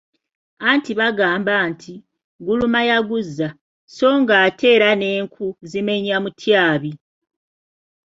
Anti bagamba nti, "Guluma yaguzza, so ng'ate era n'enku zimenya mutyabi.